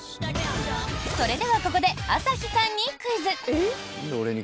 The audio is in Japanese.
それではここで朝日さんにクイズ。